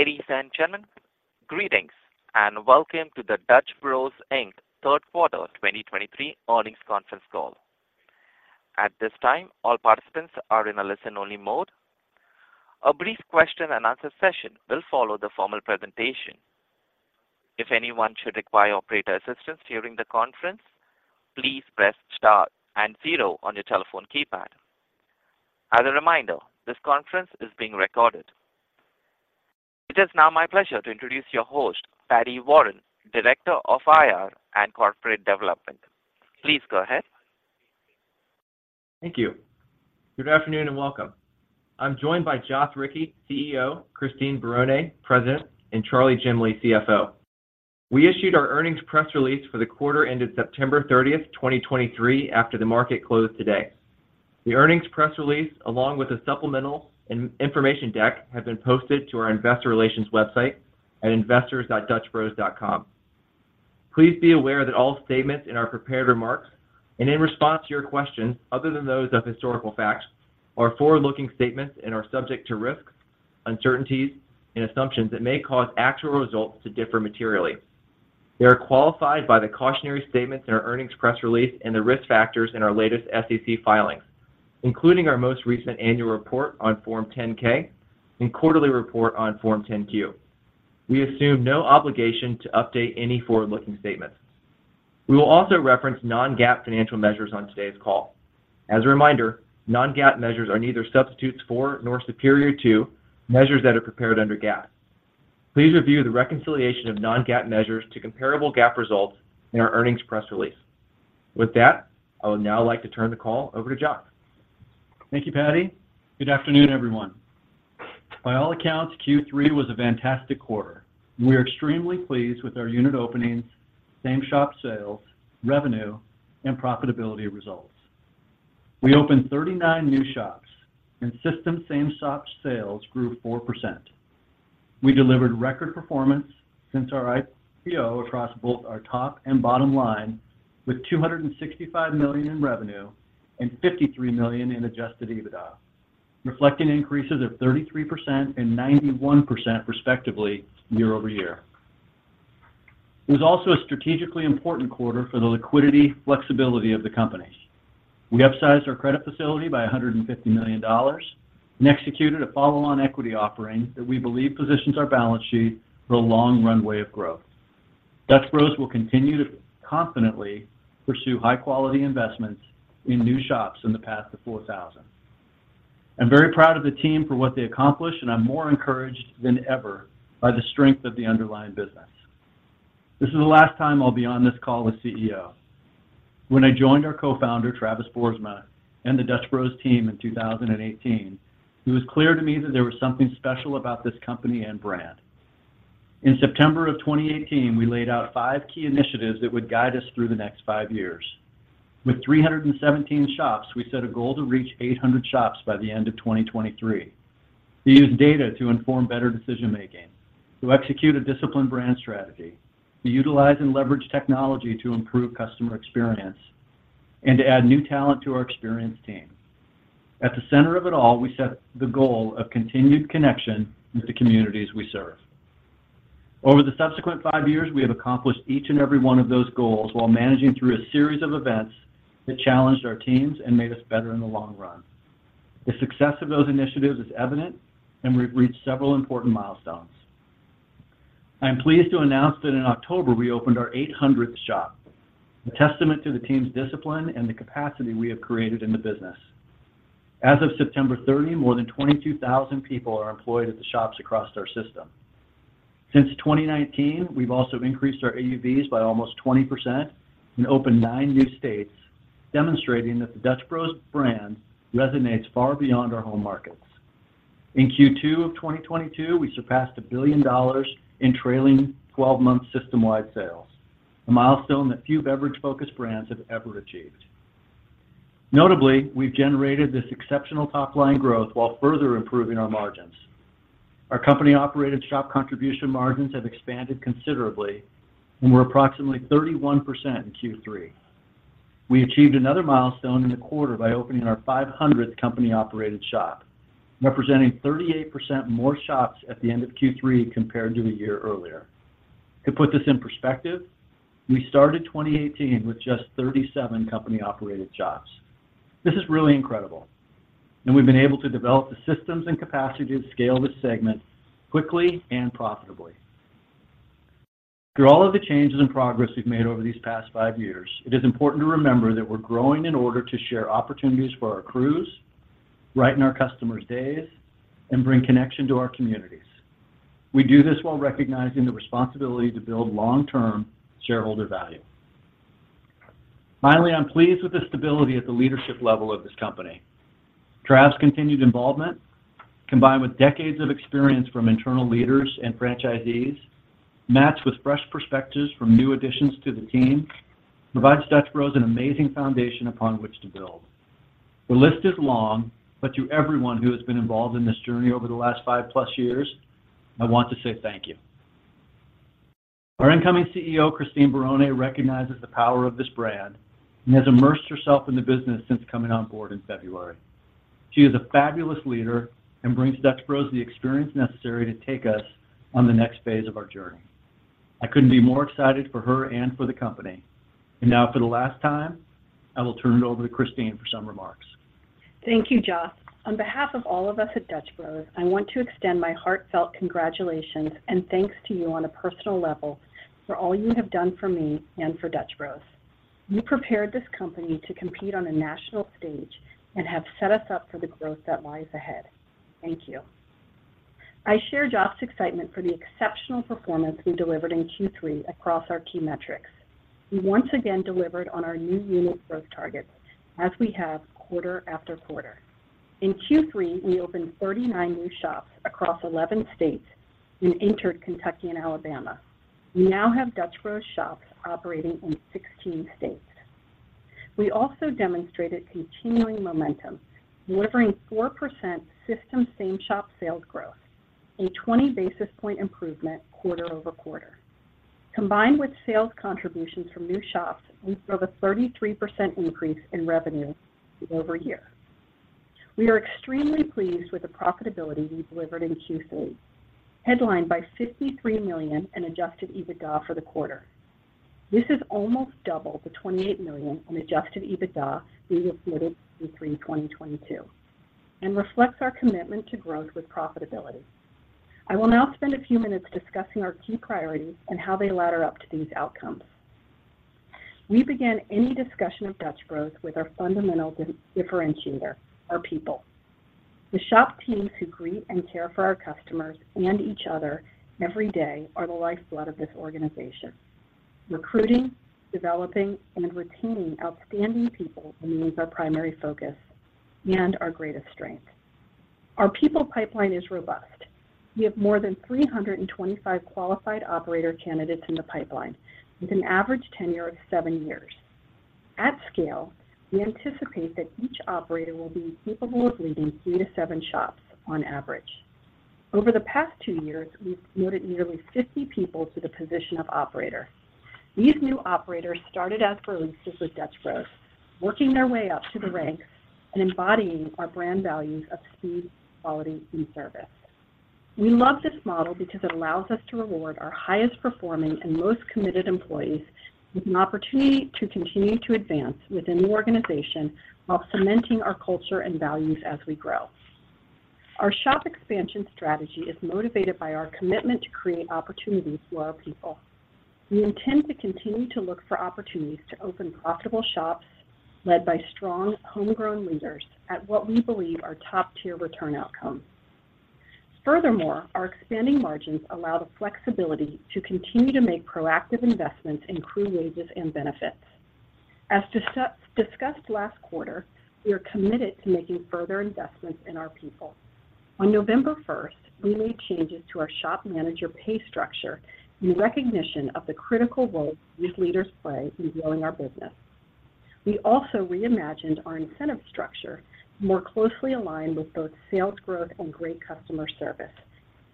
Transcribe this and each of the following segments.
Ladies and gentlemen, greetings, and welcome to the Dutch Bros Inc. Third Quarter 2023 Earnings Conference Call. At this time, all participants are in a listen-only mode. A brief question-and-answer session will follow the formal presentation. If anyone should require operator assistance during the conference, please press Star and zero on your telephone keypad. As a reminder, this conference is being recorded. It is now my pleasure to introduce your host, Paddy Warren, Director of IR and Corporate Development. Please go ahead. Thank you. Good afternoon, and welcome. I'm joined by Joth Ricci, CEO, Christine Barone, President, and Charlie Jemley, CFO. We issued our earnings press release for the quarter ended September 30, 2023, after the market closed today. The earnings press release, along with a supplemental and information deck, have been posted to our investor relations website at investors.dutchbros.com. Please be aware that all statements in our prepared remarks and in response to your questions, other than those of historical facts, are forward-looking statements and are subject to risks, uncertainties, and assumptions that may cause actual results to differ materially. They are qualified by the cautionary statements in our earnings press release and the risk factors in our latest SEC filings, including our most recent annual report on Form 10-K and quarterly report on Form 10-Q. We assume no obligation to update any forward-looking statements. We will also reference non-GAAP financial measures on today's call. As a reminder, non-GAAP measures are neither substitutes for nor superior to measures that are prepared under GAAP. Please review the reconciliation of non-GAAP measures to comparable GAAP results in our earnings press release. With that, I would now like to turn the call over to Joth. Thank you, Paddy. Good afternoon, everyone. By all accounts, Q3 was a fantastic quarter. We are extremely pleased with our unit openings, same-shop sales, revenue, and profitability results. We opened 39 new shops, and system same-shop sales grew 4%. We delivered record performance since our IPO across both our top and bottom line, with $265 million in revenue and $53 million in Adjusted EBITDA, reflecting increases of 33% and 91%, respectively, year-over-year. It was also a strategically important quarter for the liquidity flexibility of the company. We upsized our credit facility by $150 million and executed a follow-on equity offering that we believe positions our balance sheet for a long runway of growth. Dutch Bros will continue to confidently pursue high-quality investments in new shops on the path to 4,000. I'm very proud of the team for what they accomplished, and I'm more encouraged than ever by the strength of the underlying business. This is the last time I'll be on this call as CEO. When I joined our co-founder, Travis Boersma, and the Dutch Bros team in 2018, it was clear to me that there was something special about this company and brand. In September of 2018, we laid out five key initiatives that would guide us through the next five years. With 317 shops, we set a goal to reach 800 shops by the end of 2023, to use data to inform better decision making, to execute a disciplined brand strategy, to utilize and leverage technology to improve customer experience, and to add new talent to our experienced team. At the center of it all, we set the goal of continued connection with the communities we serve. Over the subsequent 5 years, we have accomplished each and every one of those goals while managing through a series of events that challenged our teams and made us better in the long run. The success of those initiatives is evident, and we've reached several important milestones. I am pleased to announce that in October, we opened our 800th shop, a testament to the team's discipline and the capacity we have created in the business. As of September 30, more than 22,000 people are employed at the shops across our system. Since 2019, we've also increased our AUVs by almost 20% and opened 9 new states, demonstrating that the Dutch Bros brand resonates far beyond our home markets. In Q2 of 2022, we surpassed $1 billion in trailing twelve-month system-wide sales, a milestone that few beverage-focused brands have ever achieved. Notably, we've generated this exceptional top-line growth while further improving our margins. Our company-operated shop contribution margins have expanded considerably and were approximately 31% in Q3. We achieved another milestone in the quarter by opening our 500th company-operated shop, representing 38% more shops at the end of Q3 compared to a year earlier. To put this in perspective, we started 2018 with just 37 company-operated shops. This is really incredible, and we've been able to develop the systems and capacity to scale this segment quickly and profitably. Through all of the changes and progress we've made over these past five years, it is important to remember that we're growing in order to share opportunities for our crews, brighten our customers' days, and bring connection to our communities. We do this while recognizing the responsibility to build long-term shareholder value. Finally, I'm pleased with the stability at the leadership level of this company. Travis' continued involvement, combined with decades of experience from internal leaders and franchisees, matched with fresh perspectives from new additions to the team, provides Dutch Bros an amazing foundation upon which to build. The list is long, but to everyone who has been involved in this journey over the last five-plus years, I want to say thank you.... Our incoming CEO, Christine Barone, recognizes the power of this brand and has immersed herself in the business since coming on board in February. She is a fabulous leader and brings Dutch Bros the experience necessary to take us on the next phase of our journey. I couldn't be more excited for her and for the company. And now, for the last time, I will turn it over to Christine for some remarks. Thank you, Joth. On behalf of all of us at Dutch Bros, I want to extend my heartfelt congratulations and thanks to you on a personal level for all you have done for me and for Dutch Bros. You prepared this company to compete on a national stage and have set us up for the growth that lies ahead. Thank you. I share Joth's excitement for the exceptional performance we delivered in Q3 across our key metrics. We once again delivered on our new unit growth targets, as we have quarter after quarter. In Q3, we opened 39 new shops across 11 states and entered Kentucky and Alabama. We now have Dutch Bros shops operating in 16 states. We also demonstrated continuing momentum, delivering 4% system same shop sales growth, a 20 basis point improvement quarter-over-quarter. Combined with sales contributions from new shops, we saw a 33% increase in revenue year-over-year. We are extremely pleased with the profitability we delivered in Q3, headlined by $53 million in Adjusted EBITDA for the quarter. This is almost double the $28 million in Adjusted EBITDA we reported in Q3 2022, and reflects our commitment to growth with profitability. I will now spend a few minutes discussing our key priorities and how they ladder up to these outcomes. We begin any discussion of Dutch Bros with our fundamental differentiator, our people. The shop teams who greet and care for our customers and each other every day are the lifeblood of this organization. Recruiting, developing and retaining outstanding people remains our primary focus and our greatest strength. Our people pipeline is robust. We have more than 325 qualified operator candidates in the pipeline, with an average tenure of 7 years. At scale, we anticipate that each operator will be capable of leading 3-7 shops on average. Over the past 2 years, we've promoted nearly 50 people to the position of operator. These new operators started as baristas with Dutch Bros, working their way up to the ranks and embodying our brand values of speed, quality, and service. We love this model because it allows us to reward our highest performing and most committed employees with an opportunity to continue to advance within the organization while cementing our culture and values as we grow. Our shop expansion strategy is motivated by our commitment to create opportunities for our people. We intend to continue to look for opportunities to open profitable shops led by strong homegrown leaders at what we believe are top-tier return outcomes. Furthermore, our expanding margins allow the flexibility to continue to make proactive investments in crew wages and benefits. As discussed last quarter, we are committed to making further investments in our people. On November 1, we made changes to our shop manager pay structure in recognition of the critical role these leaders play in growing our business. We also reimagined our incentive structure more closely aligned with both sales growth and great customer service.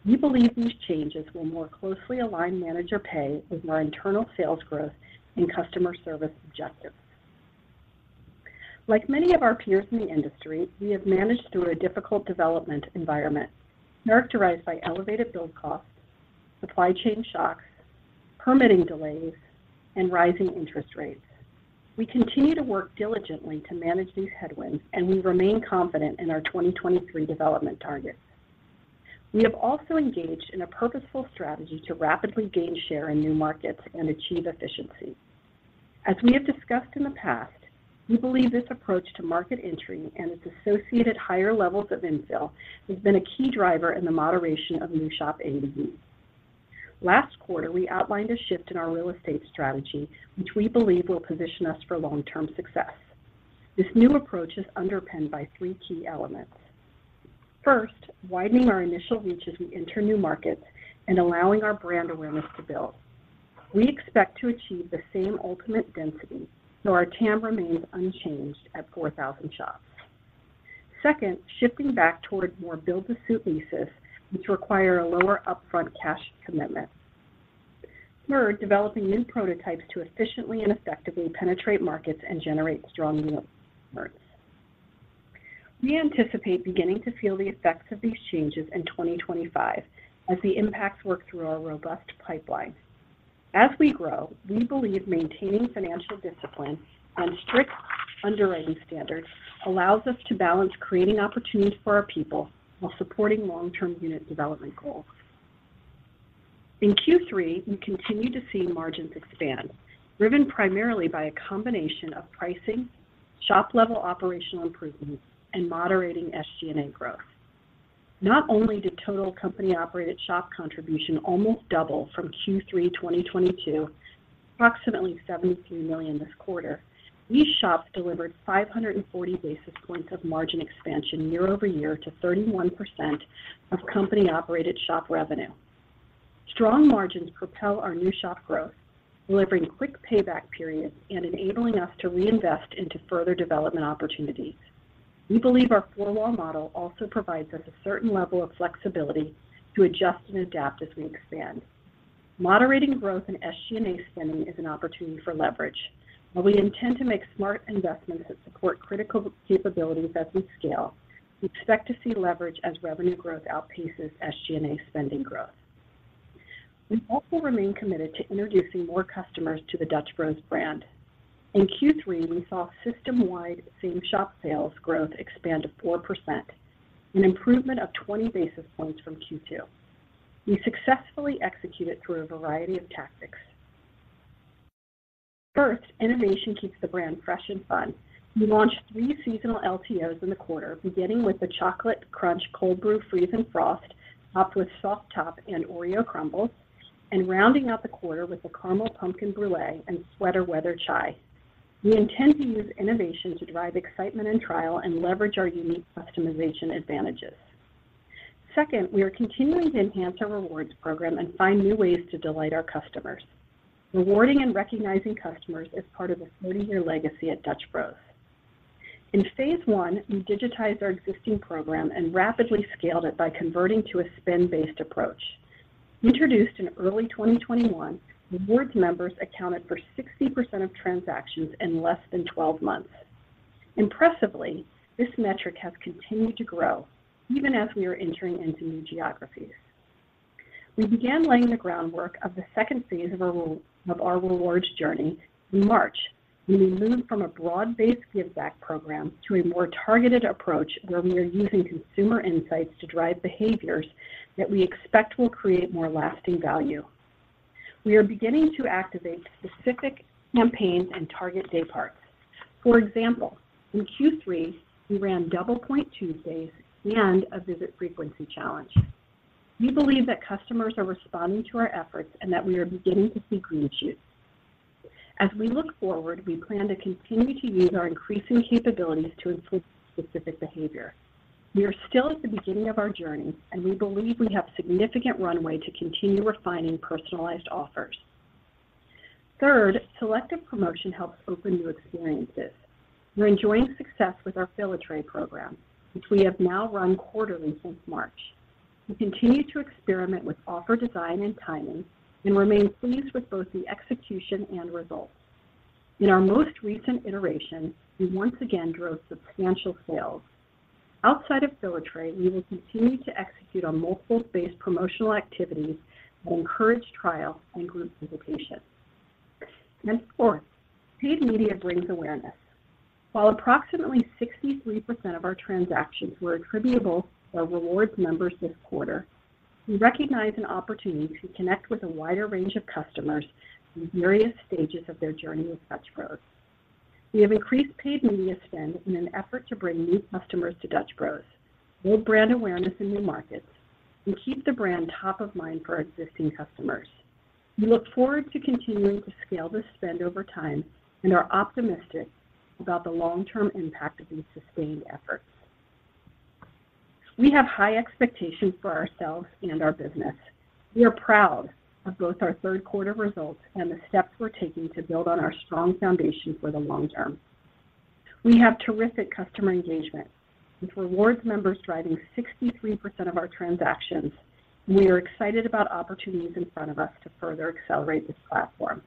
We believe these changes will more closely align manager pay with our internal sales growth and customer service objectives. Like many of our peers in the industry, we have managed through a difficult development environment characterized by elevated build costs, supply chain shocks, permitting delays, and rising interest rates. We continue to work diligently to manage these headwinds, and we remain confident in our 2023 development targets. We have also engaged in a purposeful strategy to rapidly gain share in new markets and achieve efficiency. As we have discussed in the past, we believe this approach to market entry and its associated higher levels of infill has been a key driver in the moderation of new shop AUVs. Last quarter, we outlined a shift in our real estate strategy, which we believe will position us for long-term success. This new approach is underpinned by three key elements. First, widening our initial reach as we enter new markets and allowing our brand awareness to build. We expect to achieve the same ultimate density, so our TAM remains unchanged at 4,000 shops. Second, shifting back toward more build-to-suit leases, which require a lower upfront cash commitment. Third, developing new prototypes to efficiently and effectively penetrate markets and generate strong new markets. We anticipate beginning to feel the effects of these changes in 2025 as the impacts work through our robust pipeline. As we grow, we believe maintaining financial discipline and strict underwriting standards allows us to balance creating opportunities for our people while supporting long-term unit development goals. In Q3, we continued to see margins expand, driven primarily by a combination of pricing, shop-level operational improvements, and moderating SG&A growth. Not only did total company-operated shop contribution almost double from Q3 2022, approximately $73 million this quarter, these shops delivered 540 basis points of margin expansion year-over-year to 31% of company-operated shop revenue. Strong margins propel our new shop growth, delivering quick payback periods and enabling us to reinvest into further development opportunities.... We believe our four-wall model also provides us a certain level of flexibility to adjust and adapt as we expand. Moderating growth in SG&A spending is an opportunity for leverage. While we intend to make smart investments that support critical capabilities as we scale, we expect to see leverage as revenue growth outpaces SG&A spending growth. We also remain committed to introducing more customers to the Dutch Bros brand. In Q3, we saw system-wide same-shop sales growth expand to 4%, an improvement of 20 basis points from Q2. We successfully executed through a variety of tactics. First, innovation keeps the brand fresh and fun. We launched three seasonal LTOs in the quarter, beginning with the Chocolate Crunch Cold Brew Freeze and Frost, topped with Soft Top and Oreo crumbles, and rounding out the quarter with the Caramel Pumpkin Brulée and Sweater Weather Chai. We intend to use innovation to drive excitement and trial, and leverage our unique customization advantages. Second, we are continuing to enhance our rewards program and find new ways to delight our customers. Rewarding and recognizing customers is part of a 40-year legacy at Dutch Bros. In phase one, we digitized our existing program and rapidly scaled it by converting to a spend-based approach. Introduced in early 2021, rewards members accounted for 60% of transactions in less than 12 months. Impressively, this metric has continued to grow, even as we are entering into new geographies. We began laying the groundwork of the second phase of our rewards journey in March, when we moved from a broad-based giveback program to a more targeted approach, where we are using consumer insights to drive behaviors that we expect will create more lasting value. We are beginning to activate specific campaigns and target dayparts. For example, in Q3, we ran Double Point Tuesdays and a visit frequency challenge. We believe that customers are responding to our efforts, and that we are beginning to see green shoots. As we look forward, we plan to continue to use our increasing capabilities to influence specific behavior. We are still at the beginning of our journey, and we believe we have significant runway to continue refining personalized offers. Third, selective promotion helps open new experiences. We're enjoying success with our Fill-A-Tray program, which we have now run quarterly since March. We continue to experiment with offer design and timing, and remain pleased with both the execution and results. In our most recent iteration, we once again drove substantial sales. Outside of Fill-A-Tray, we will continue to execute on multiple space promotional activities that encourage trial and group visitation. And fourth, paid media brings awareness. While approximately 63% of our transactions were attributable to our rewards members this quarter, we recognize an opportunity to connect with a wider range of customers in various stages of their journey with Dutch Bros. We have increased paid media spend in an effort to bring new customers to Dutch Bros, build brand awareness in new markets, and keep the brand top of mind for our existing customers. We look forward to continuing to scale this spend over time and are optimistic about the long-term impact of these sustained efforts. We have high expectations for ourselves and our business. We are proud of both our third quarter results and the steps we're taking to build on our strong foundation for the long term. We have terrific customer engagement, with rewards members driving 63% of our transactions, and we are excited about opportunities in front of us to further accelerate this platform.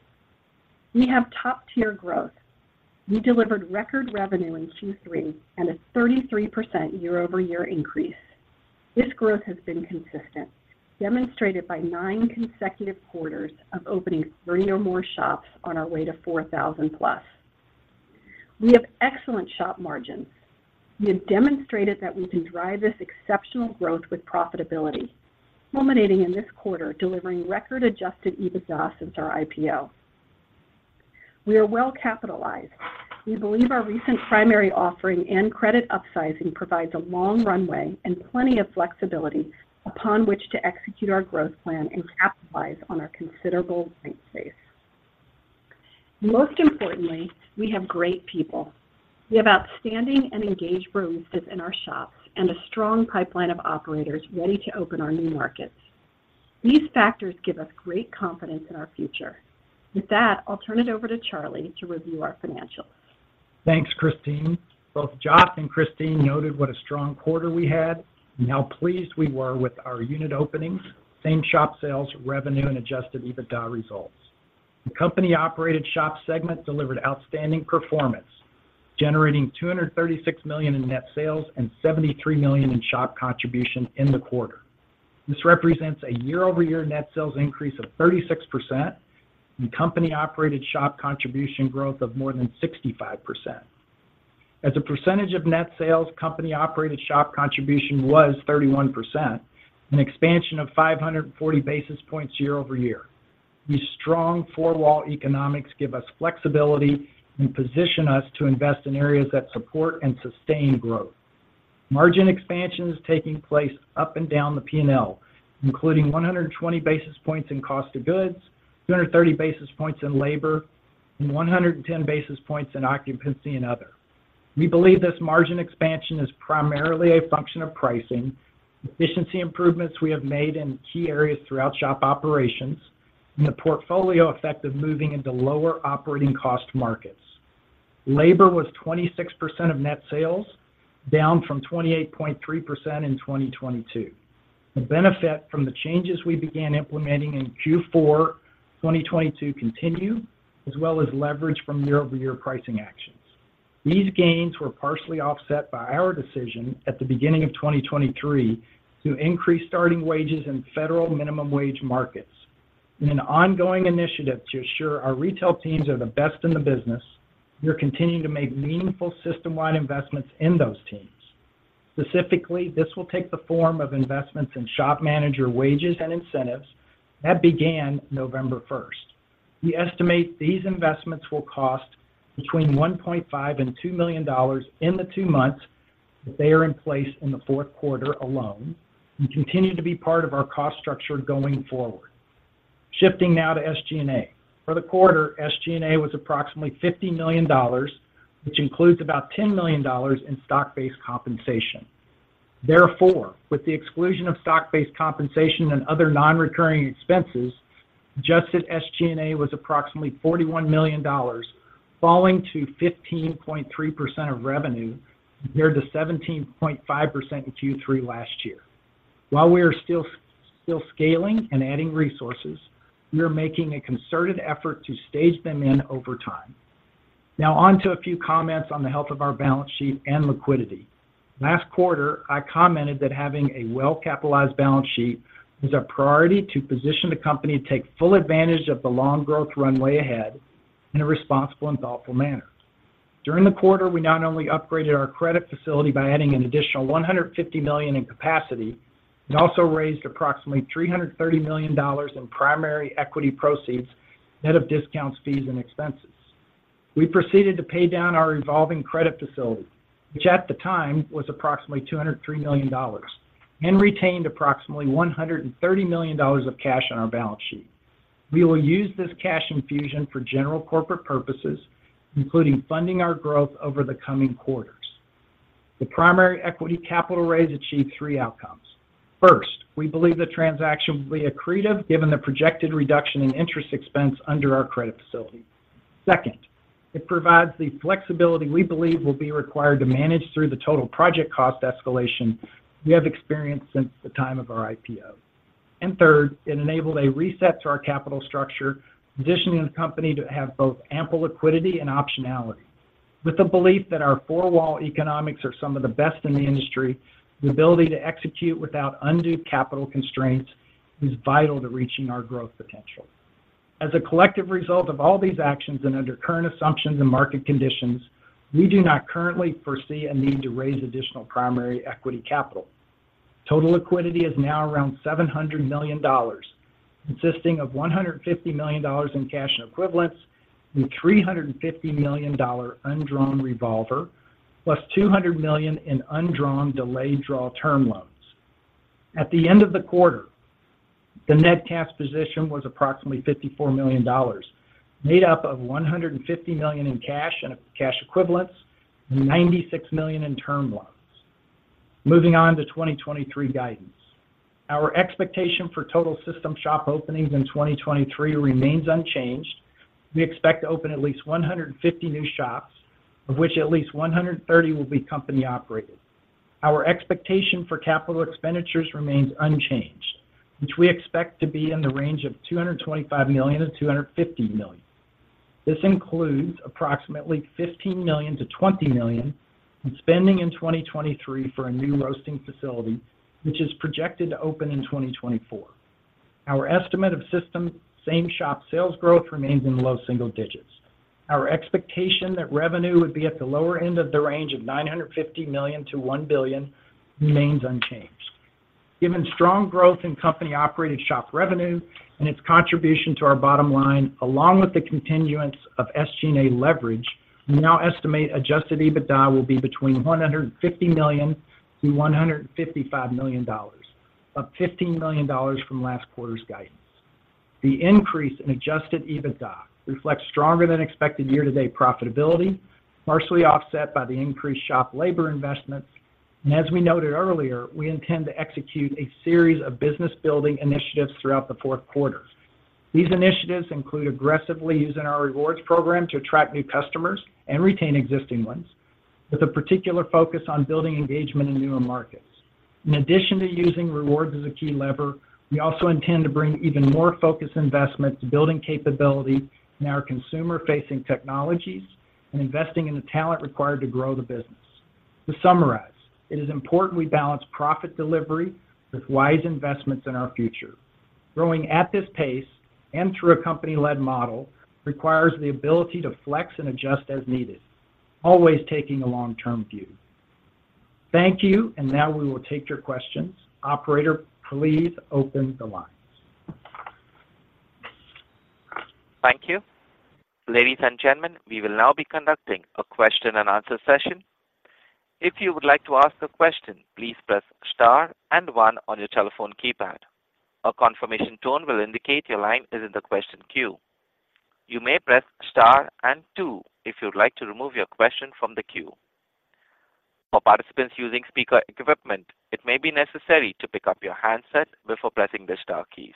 We have top-tier growth. We delivered record revenue in Q3, and a 33% year-over-year increase. This growth has been consistent, demonstrated by nine consecutive quarters of opening three or more shops on our way to 4,000+. We have excellent shop margins. We have demonstrated that we can drive this exceptional growth with profitability, culminating in this quarter, delivering record Adjusted EBITDA since our IPO. We are well capitalized. We believe our recent primary offering and credit upsizing provides a long runway and plenty of flexibility upon which to execute our growth plan and capitalize on our considerable white space. Most importantly, we have great people. We have outstanding and engaged baristas in our shops and a strong pipeline of operators ready to open our new markets. These factors give us great confidence in our future. With that, I'll turn it over to Charlie to review our financials. Thanks, Christine. Both Joth and Christine noted what a strong quarter we had, and how pleased we were with our unit openings, same-shop sales, revenue, and Adjusted EBITDA results. The company-operated shop segment delivered outstanding performance, generating $236 million in net sales and $73 million in shop contribution in the quarter. This represents a year-over-year net sales increase of 36% and company-operated shop contribution growth of more than 65%. As a percentage of net sales, company-operated shop contribution was 31%, an expansion of 540 basis points year over year. These strong four-wall economics give us flexibility and position us to invest in areas that support and sustain growth. Margin expansion is taking place up and down the P&L, including 120 basis points in cost of goods, 230 basis points in labor, and 110 basis points in occupancy and other. We believe this margin expansion is primarily a function of pricing, efficiency improvements we have made in key areas throughout shop operations,... and the portfolio effect of moving into lower operating cost markets. Labor was 26% of net sales, down from 28.3% in 2022. The benefit from the changes we began implementing in Q4 2022 continue, as well as leverage from year-over-year pricing actions. These gains were partially offset by our decision at the beginning of 2023, to increase starting wages in federal minimum wage markets. In an ongoing initiative to ensure our retail teams are the best in the business, we are continuing to make meaningful system-wide investments in those teams. Specifically, this will take the form of investments in shop manager wages and incentives that began November 1. We estimate these investments will cost between $1.5 million and $2 million in the two months that they are in place in the fourth quarter alone and continue to be part of our cost structure going forward. Shifting now to SG&A. For the quarter, SG&A was approximately $50 million, which includes about $10 million in stock-based compensation. Therefore, with the exclusion of stock-based compensation and other non-recurring expenses, adjusted SG&A was approximately $41 million, falling to 15.3% of revenue, compared to 17.5% in Q3 last year. While we are still scaling and adding resources, we are making a concerted effort to stage them in over time. Now on to a few comments on the health of our balance sheet and liquidity. Last quarter, I commented that having a well-capitalized balance sheet is a priority to position the company to take full advantage of the long growth runway ahead in a responsible and thoughtful manner. During the quarter, we not only upgraded our credit facility by adding an additional $150 million in capacity, but also raised approximately $330 million in primary equity proceeds, net of discounts, fees, and expenses. We proceeded to pay down our revolving credit facility, which at the time was approximately $203 million, and retained approximately $130 million of cash on our balance sheet. We will use this cash infusion for general corporate purposes, including funding our growth over the coming quarters. The primary equity capital raise achieved three outcomes. First, we believe the transaction will be accretive, given the projected reduction in interest expense under our credit facility. Second, it provides the flexibility we believe will be required to manage through the total project cost escalation we have experienced since the time of our IPO. And third, it enabled a reset to our capital structure, positioning the company to have both ample liquidity and optionality. With the belief that our four-wall economics are some of the best in the industry, the ability to execute without undue capital constraints is vital to reaching our growth potential. As a collective result of all these actions and under current assumptions and market conditions, we do not currently foresee a need to raise additional primary equity capital. Total liquidity is now around $700 million, consisting of $150 million in cash and equivalents and $350 million undrawn revolver, plus $200 million in undrawn delayed draw term loans. At the end of the quarter, the net cash position was approximately $54 million, made up of $150 million in cash and cash equivalents, and $96 million in term loans. Moving on to 2023 guidance. Our expectation for total system shop openings in 2023 remains unchanged. We expect to open at least 150 new shops, of which at least 130 will be company operated. Our expectation for capital expenditures remains unchanged, which we expect to be in the range of $225 million-$250 million. This includes approximately $15 million-$20 million in spending in 2023 for a new roasting facility, which is projected to open in 2024. Our estimate of system same-shop sales growth remains in low single digits. Our expectation that revenue would be at the lower end of the range of $950 million-$1 billion remains unchanged. Given strong growth in company-operated shop revenue and its contribution to our bottom line, along with the continuance of SG&A leverage, we now estimate Adjusted EBITDA will be between $150 million-$155 million, up $15 million from last quarter's guidance. The increase in Adjusted EBITDA reflects stronger than expected year-to-date profitability, partially offset by the increased shop labor investments, and as we noted earlier, we intend to execute a series of business building initiatives throughout the fourth quarter. These initiatives include aggressively using our rewards program to attract new customers and retain existing ones, with a particular focus on building engagement in newer markets. In addition to using rewards as a key lever, we also intend to bring even more focused investments to building capability in our consumer-facing technologies and investing in the talent required to grow the business. To summarize, it is important we balance profit delivery with wise investments in our future. Growing at this pace and through a company-led model, requires the ability to flex and adjust as needed, always taking a long-term view. Thank you, and now we will take your questions. Operator, please open the lines. Thank you. Ladies and gentlemen, we will now be conducting a question and answer session. If you would like to ask a question, please press star and one on your telephone keypad. A confirmation tone will indicate your line is in the question queue. You may press star and two if you'd like to remove your question from the queue.... For participants using speaker equipment, it may be necessary to pick up your handset before pressing the star keys.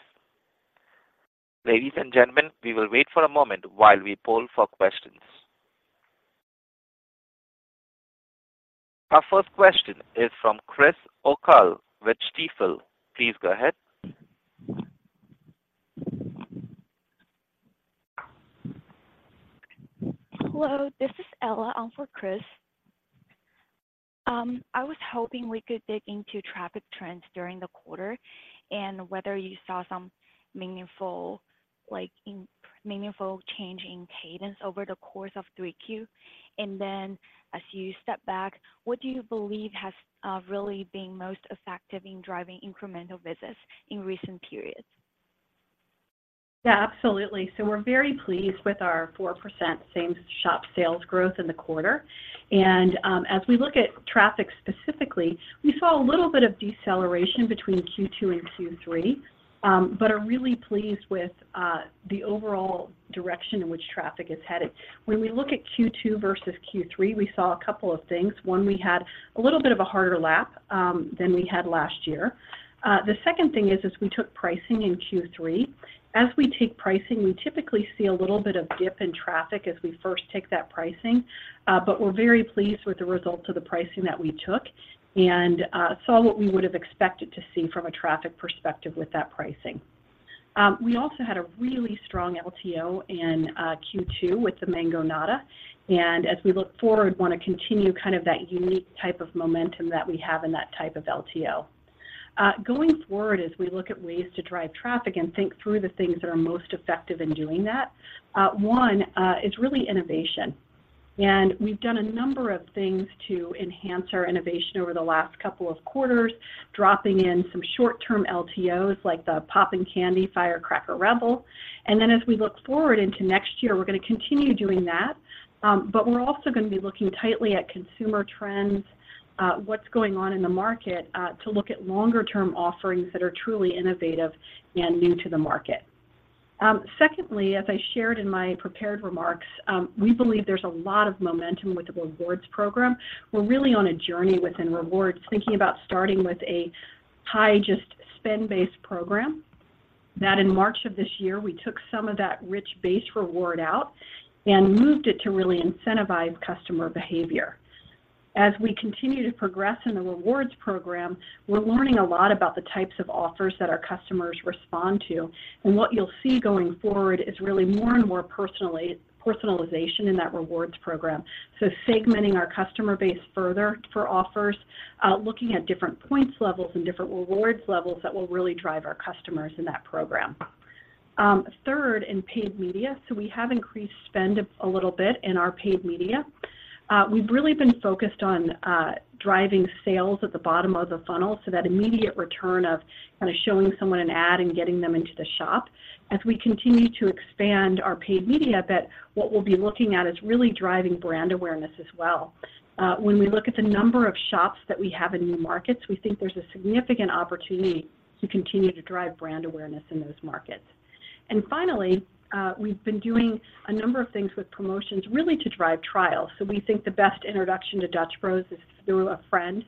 Ladies and gentlemen, we will wait for a moment while we poll for questions. Our first question is from Chris O'Cull with Stifel. Please go ahead. Hello, this is Ella on for Chris. I was hoping we could dig into traffic trends during the quarter and whether you saw some meaningful, like, meaningful change in cadence over the course of Q3. And then as you step back, what do you believe has really been most effective in driving incremental visits in recent periods? Yeah, absolutely. So we're very pleased with our 4% same-shop sales growth in the quarter. And as we look at traffic specifically, we saw a little bit of deceleration between Q2 and Q3, but are really pleased with the overall direction in which traffic is headed. When we look at Q2 versus Q3, we saw a couple of things. One, we had a little bit of a harder lap than we had last year. The second thing is we took pricing in Q3. As we take pricing, we typically see a little bit of dip in traffic as we first take that pricing, but we're very pleased with the results of the pricing that we took and saw what we would have expected to see from a traffic perspective with that pricing. We also had a really strong LTO in Q2 with the Mangonada, and as we look forward, want to continue kind of that unique type of momentum that we have in that type of LTO. Going forward, as we look at ways to drive traffic and think through the things that are most effective in doing that, one is really innovation. And we've done a number of things to enhance our innovation over the last couple of quarters, dropping in some short-term LTOs, like the Popping Candy Firecracker Rebel. And then as we look forward into next year, we're gonna continue doing that, but we're also gonna be looking tightly at consumer trends, what's going on in the market, to look at longer term offerings that are truly innovative and new to the market. Secondly, as I shared in my prepared remarks, we believe there's a lot of momentum with the rewards program. We're really on a journey within rewards, thinking about starting with a high, just spend-based program. That, in March of this year, we took some of that rich base reward out and moved it to really incentivize customer behavior. As we continue to progress in the rewards program, we're learning a lot about the types of offers that our customers respond to, and what you'll see going forward is really more and more personalization in that rewards program. So segmenting our customer base further for offers, looking at different points levels and different rewards levels that will really drive our customers in that program. Third, in paid media. So we have increased spend a little bit in our paid media. We've really been focused on driving sales at the bottom of the funnel, so that immediate return of kind of showing someone an ad and getting them into the shop. As we continue to expand our paid media, that what we'll be looking at is really driving brand awareness as well. When we look at the number of shops that we have in new markets, we think there's a significant opportunity to continue to drive brand awareness in those markets. And finally, we've been doing a number of things with promotions, really to drive trials. So we think the best introduction to Dutch Bros is through a friend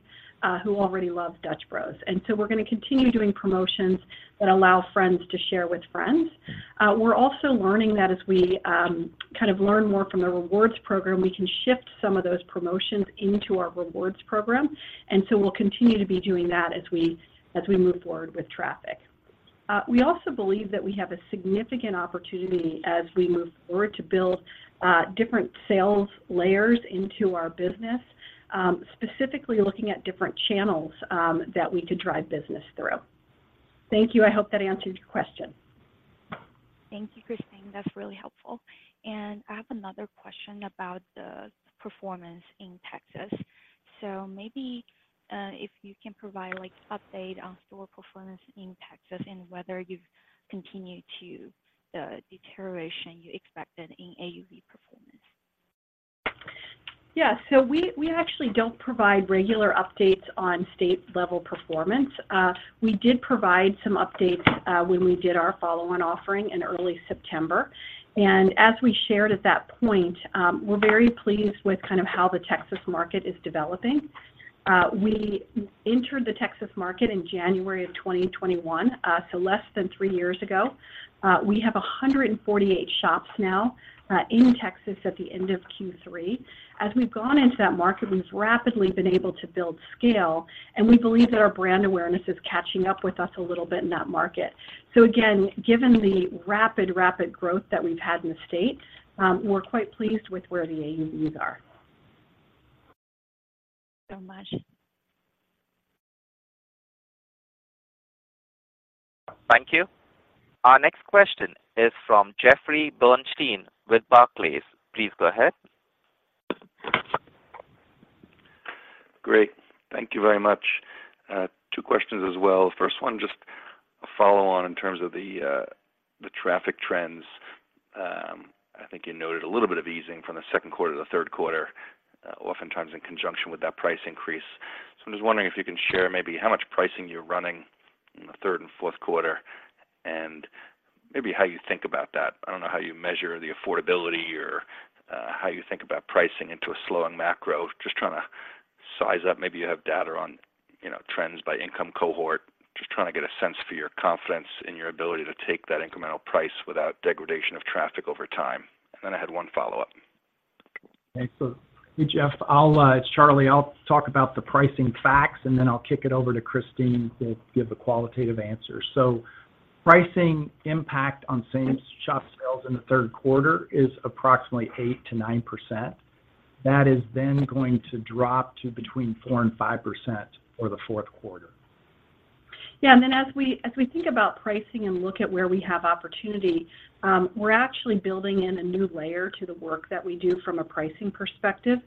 who already loves Dutch Bros. And so we're gonna continue doing promotions that allow friends to share with friends. We're also learning that as we kind of learn more from the rewards program, we can shift some of those promotions into our rewards program, and so we'll continue to be doing that as we move forward with traffic. We also believe that we have a significant opportunity as we move forward to build different sales layers into our business, specifically looking at different channels that we could drive business through. Thank you. I hope that answered your question. Thank you, Christine. That's really helpful. I have another question about the performance in Texas. So maybe, if you can provide, like, update on store performance in Texas and whether you've continued to, the deterioration you expected in AUV performance. Yeah. So we, we actually don't provide regular updates on state-level performance. We did provide some updates when we did our follow-on offering in early September. As we shared at that point, we're very pleased with kind of how the Texas market is developing. We entered the Texas market in January of 2021, so less than three years ago. We have 148 shops now in Texas at the end of Q3. As we've gone into that market, we've rapidly been able to build scale, and we believe that our brand awareness is catching up with us a little bit in that market. So again, given the rapid, rapid growth that we've had in the state, we're quite pleased with where the AUVs are. Thank you so much. Thank you. Our next question is from Jeffrey Bernstein with Barclays. Please go ahead. Great. Thank you very much. Two questions as well. First one, just a follow-on in terms of the, the traffic trends. I think you noted a little bit of easing from the second quarter to the third quarter, oftentimes in conjunction with that price increase. So I'm just wondering if you can share maybe how much pricing you're running in the third and fourth quarter, and maybe how you think about that. I don't know how you measure the affordability or, how you think about pricing into a slowing macro. Just trying to size up, maybe you have data on, you know, trends by income cohort. Just trying to get a sense for your confidence in your ability to take that incremental price without degradation of traffic over time. And then I had one follow-up. Thanks. So Jeff, I'll, it's Charlie. I'll talk about the pricing facts, and then I'll kick it over to Christine to give the qualitative answer. Pricing impact on same shop sales in the third quarter is approximately 8%-9%. That is then going to drop to between 4% and 5% for the fourth quarter. Yeah, and then as we think about pricing and look at where we have opportunity, we're actually building in a new layer to the work that we do from a pricing perspective.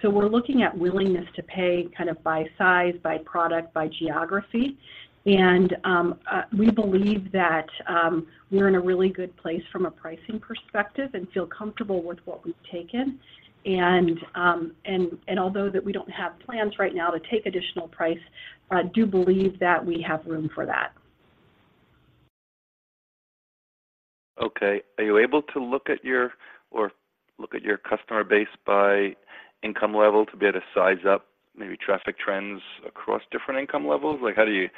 So we're looking at willingness to pay, kind of, by size, by product, by geography. We believe that we're in a really good place from a pricing perspective and feel comfortable with what we've taken. Although that we don't have plans right now to take additional price, I do believe that we have room for that. Okay. Are you able to look at your customer base by income level to be able to size up maybe traffic trends across different income levels? Like, how do you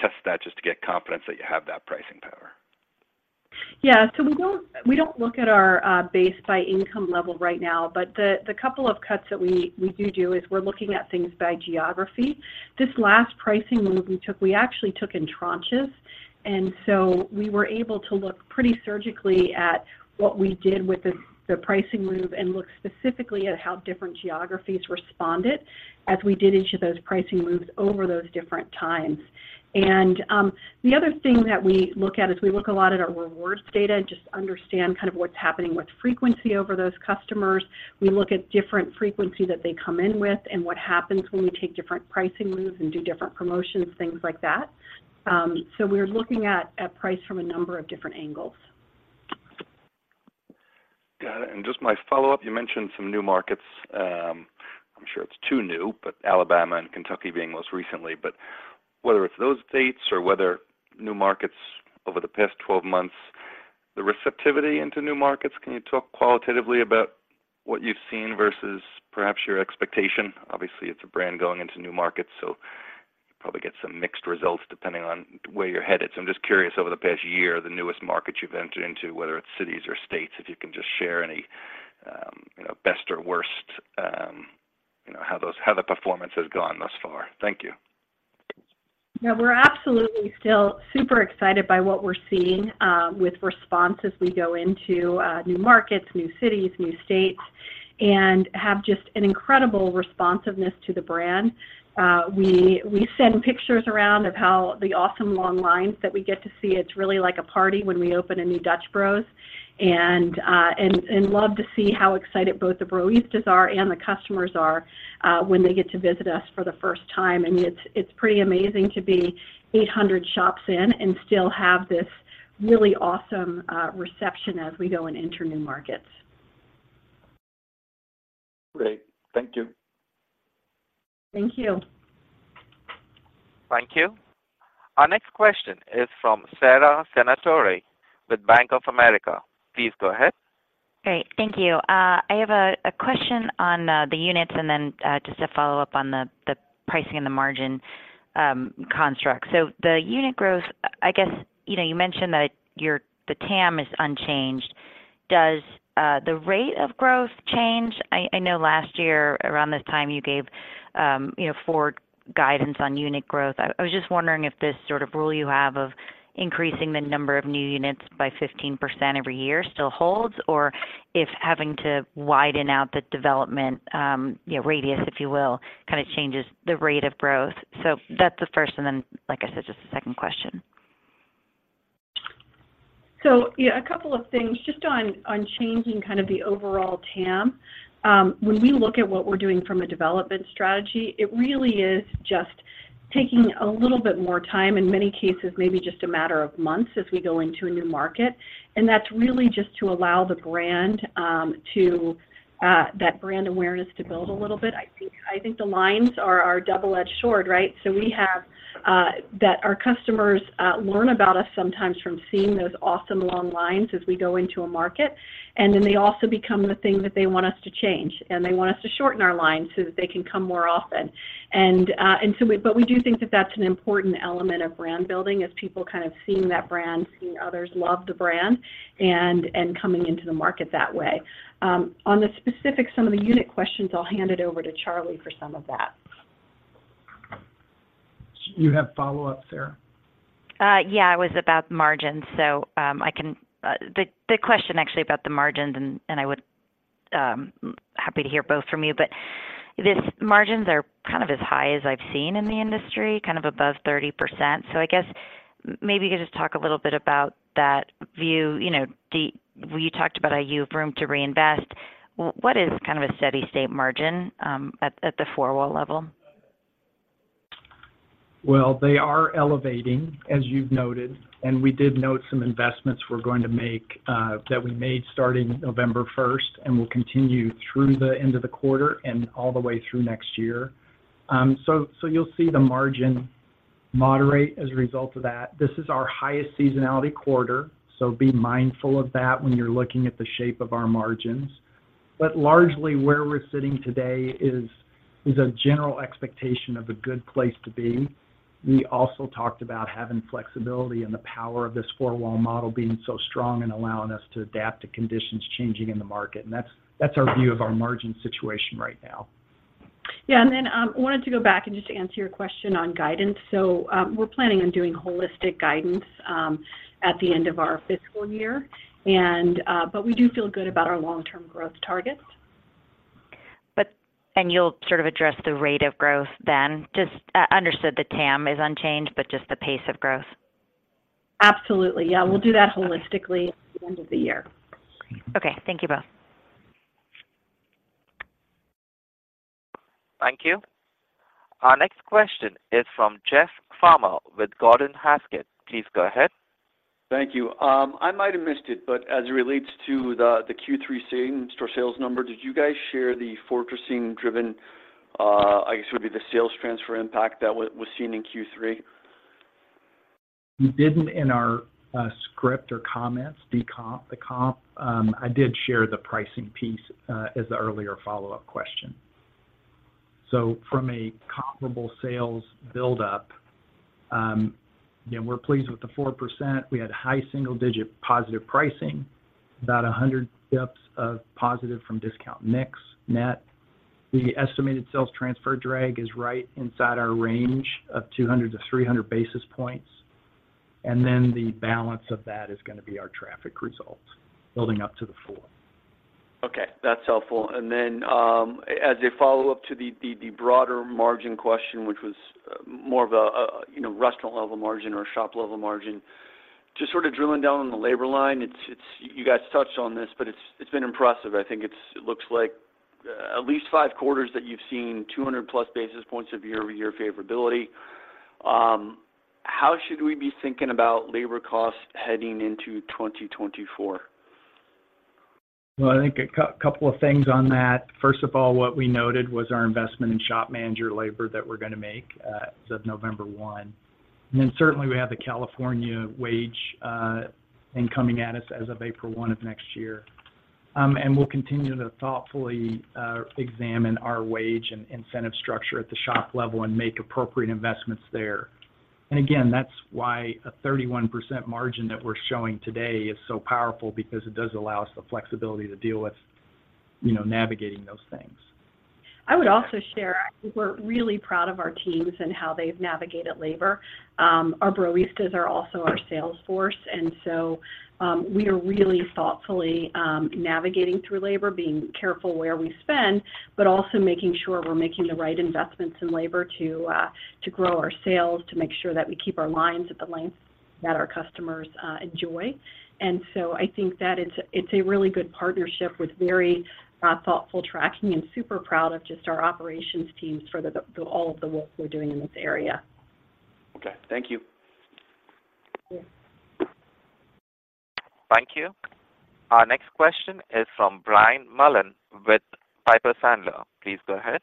test that just to get confidence that you have that pricing power? Yeah. So we don't look at our base by income level right now, but the couple of cuts that we do is we're looking at things by geography. This last pricing move we took, we actually took in tranches, and so we were able to look pretty surgically at what we did with the pricing move and look specifically at how different geographies responded as we did each of those pricing moves over those different times. And the other thing that we look at is we look a lot at our rewards data, just to understand kind of what's happening with frequency over those customers. We look at different frequency that they come in with, and what happens when we take different pricing moves and do different promotions, things like that. So we're looking at price from a number of different angles. Got it. Just my follow-up, you mentioned some new markets, I'm sure it's 2 new, but Alabama and Kentucky being most recently. Whether it's those states or whether new markets over the past 12 months, the receptivity into new markets, can you talk qualitatively about what you've seen versus perhaps your expectation? Obviously, it's a brand going into new markets, so you probably get some mixed results depending on where you're headed. I'm just curious, over the past year, the newest markets you've entered into, whether it's cities or states, if you can just share any, you know, best or worst, you know, how the performance has gone thus far. Thank you. Yeah, we're absolutely still super excited by what we're seeing with response as we go into new markets, new cities, new states, and have just an incredible responsiveness to the brand. We send pictures around of how the awesome long lines that we get to see. It's really like a party when we open a new Dutch Bros. And love to see how excited both the Broistas are and the customers are when they get to visit us for the first time. And it's pretty amazing to be 800 shops in and still have this really awesome reception as we go and enter new markets. Great. Thank you. Thank you. Thank you. Our next question is from Sara Senatore with Bank of America. Please go ahead. Great. Thank you. I have a question on the units and then just to follow up on the pricing and the margin construct. So the unit growth, I guess, you know, you mentioned that your, the TAM is unchanged. Does the rate of growth change? I know last year, around this time, you gave, you know, full-year guidance on unit growth. I was just wondering if this sort of rule you have of increasing the number of new units by 15% every year still holds, or if having to widen out the development, you know, radius, if you will, kind of, changes the rate of growth. So that's the first, and then, like I said, just a second question. So yeah, a couple of things just on changing kind of the overall TAM. When we look at what we're doing from a development strategy, it really is just taking a little bit more time, in many cases, maybe just a matter of months as we go into a new market, and that's really just to allow the brand awareness to build a little bit. I think the lines are a double-edged sword, right? So we have that our customers learn about us sometimes from seeing those awesome long lines as we go into a market, and then they also become the thing that they want us to change, and they want us to shorten our lines so that they can come more often. But we do think that that's an important element of brand building, is people kind of seeing that brand, seeing others love the brand, and coming into the market that way. On the specifics, some of the unit questions, I'll hand it over to Charlie for some of that. You have follow-up, Sara? Yeah, it was about margins, so the question actually about the margins, and I would happy to hear both from you, but these margins are kind of as high as I've seen in the industry, kind of above 30%. So I guess maybe you could just talk a little bit about that view. You know, the. You talked about how you have room to reinvest. What is kind of a steady state margin at the four-wall level? ... Well, they are elevating, as you've noted, and we did note some investments we're going to make that we made starting November 1, and will continue through the end of the quarter and all the way through next year. So you'll see the margin moderate as a result of that. This is our highest seasonality quarter, so be mindful of that when you're looking at the shape of our margins. But largely, where we're sitting today is a general expectation of a good place to be. We also talked about having flexibility and the power of this four-wall model being so strong and allowing us to adapt to conditions changing in the market, and that's our view of our margin situation right now. Yeah, and then, I wanted to go back and just to answer your question on guidance. So, we're planning on doing holistic guidance, at the end of our fiscal year. And, but we do feel good about our long-term growth targets. You'll sort of address the rate of growth then? Just, understood the TAM is unchanged, but just the pace of growth. Absolutely. Yeah, we'll do that holistically at the end of the year. Okay. Thank you both. Thank you. Our next question is from Jeff Farmer with Gordon Haskett. Please go ahead. Thank you. I might have missed it, but as it relates to the Q3 same store sales number, did you guys share the forecasting driven, I guess, would be the sales transfer impact that was seen in Q3? We didn't in our script or comments, the comp, the comp. I did share the pricing piece, as the earlier follow-up question. So from a comparable sales buildup, you know, we're pleased with the 4%. We had high single digit positive pricing, about 100 basis points of positive from discount mix. Net, the estimated sales transfer drag is right inside our range of 200-300 basis points, and then the balance of that is gonna be our traffic results, building up to the four. Okay, that's helpful. Then, as a follow-up to the broader margin question, which was more of a, you know, restaurant level margin or a shop level margin. Just sort of drilling down on the labor line, it's you guys touched on this, but it's been impressive. I think it looks like at least five quarters that you've seen 200 plus basis points of year-over-year favorability. How should we be thinking about labor costs heading into 2024? Well, I think a couple of things on that. First of all, what we noted was our investment in shop manager labor that we're gonna make, as of November 1. And then, certainly, we have the California wage, incoming at us as of April 1 of next year. And we'll continue to thoughtfully examine our wage and incentive structure at the shop level and make appropriate investments there. And again, that's why a 31% margin that we're showing today is so powerful, because it does allow us the flexibility to deal with, you know, navigating those things. I would also share, I think we're really proud of our teams and how they've navigated labor. Our baristas are also our sales force, and so, we are really thoughtfully navigating through labor, being careful where we spend, but also making sure we're making the right investments in labor to grow our sales, to make sure that we keep our lines at the length that our customers enjoy. And so I think that it's a, it's a really good partnership with very thoughtful tracking, and super proud of just our operations teams for all of the work we're doing in this area. Okay. Thank you. Yeah. Thank you. Our next question is from Brian Mullan with Piper Sandler. Please go ahead.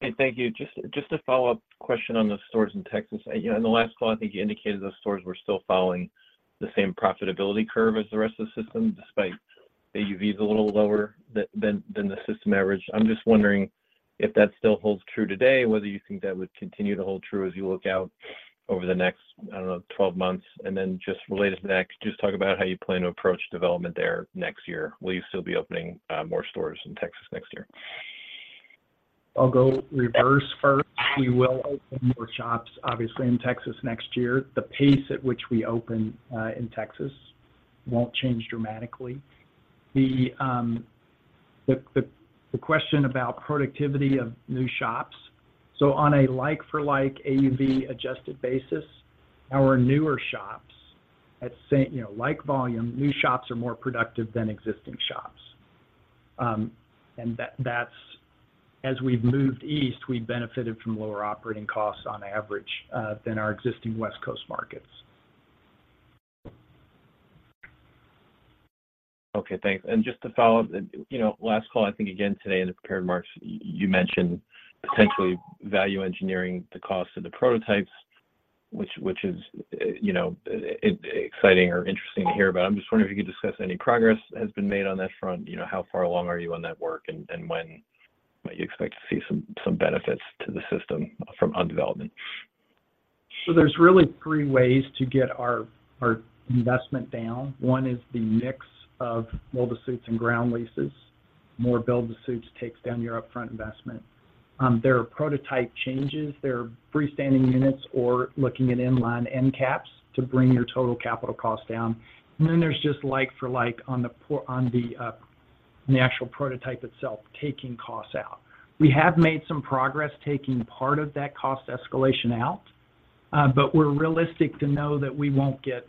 Hey, thank you. Just a follow-up question on the stores in Texas. You know, in the last call, I think you indicated those stores were still following the same profitability curve as the rest of the system, despite AUV is a little lower than the system average. I'm just wondering if that still holds true today, whether you think that would continue to hold true as you look out over the next, I don't know, 12 months? And then, just related to the next, just talk about how you plan to approach development there next year. Will you still be opening more stores in Texas next year? I'll go reverse first. We will open more shops, obviously, in Texas next year. The pace at which we open in Texas won't change dramatically. The question about productivity of new shops. So on a like for like AUV adjusted basis, our newer shops at sa-- you know, like volume, new shops are more productive than existing shops. And that's... As we've moved east, we've benefited from lower operating costs on average than our existing West Coast markets. Okay, thanks. And just to follow up, you know, last call, I think again today in the prepared remarks, you mentioned potentially value engineering the cost of the prototypes, which is, you know, exciting or interesting to hear about. I'm just wondering if you could discuss any progress that has been made on that front. You know, how far along are you on that work, and when might you expect to see some benefits to the system from under development? So there's really three ways to get our, our investment down. One is the mix of build-to-suits and ground leases. More build-to-suits takes down your upfront investment. There are prototype changes. There are freestanding units or looking at inline end caps to bring your total capital costs down. And then, there's just like for like on the actual prototype itself, taking costs out. We have made some progress taking part of that cost escalation out, but we're realistic to know that we won't get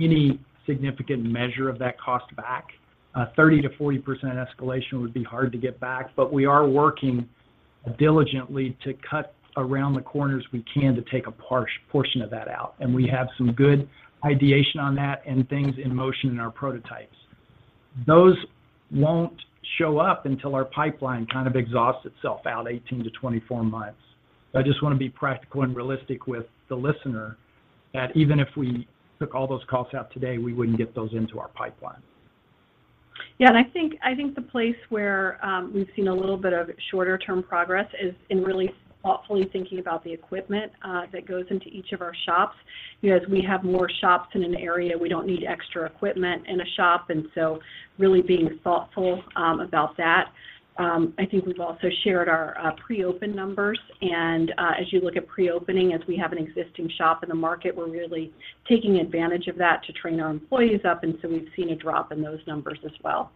any significant measure of that cost back. 30%-40% escalation would be hard to get back, but we are working diligently to cut around the corners we can to take a portion of that out, and we have some good ideation on that and things in motion in our prototypes. Those won't show up until our pipeline kind of exhausts itself out 18-24 months. I just wanna be practical and realistic with the listener, that even if we took all those costs out today, we wouldn't get those into our pipeline. Yeah, and I think, I think the place where we've seen a little bit of shorter-term progress is in really thoughtfully thinking about the equipment that goes into each of our shops. You know, as we have more shops in an area, we don't need extra equipment in a shop, and so really being thoughtful about that. I think we've also shared our pre-open numbers, and as you look at pre-opening, as we have an existing shop in the market, we're really taking advantage of that to train our employees up, and so we've seen a drop in those numbers as well.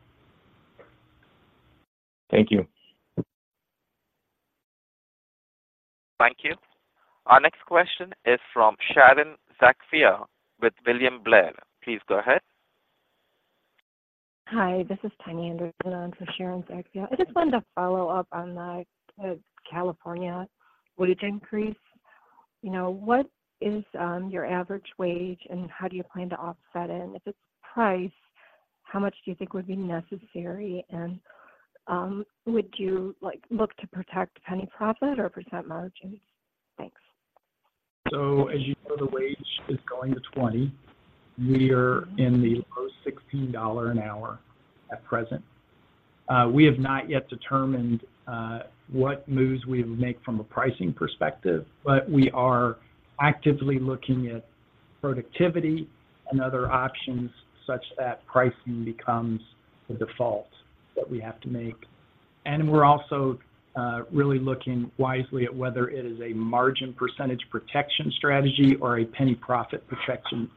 Thank you. Thank you. Our next question is from Sharon Zackfia with William Blair. Please go ahead. Hi, this is Tania Anderson on for Sharon Zackfia. I just wanted to follow up on the California wage increase. You know, what is your average wage, and how do you plan to offset it? And if it's price, how much do you think would be necessary, and would you, like, look to protect penny profit or percent margins? Thanks. So as you know, the wage is going to 20. We are in the low $16 an hour at present. We have not yet determined what moves we would make from a pricing perspective, but we are actively looking at productivity and other options such that pricing becomes the default that we have to make. And we're also really looking wisely at whether it is a margin percentage protection strategy or a penny profit protection